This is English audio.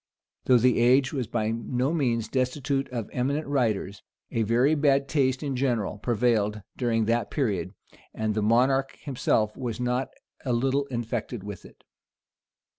Though the age was by no means destitute of eminent writers, a very bad taste in general prevailed during that period; and the monarch himself was not a little infected with it.